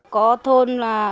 có thôn là